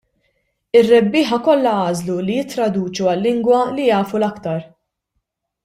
Ir-rebbieħa kollha għażlu li jittraduċu għal-lingwa li jafu l-aktar.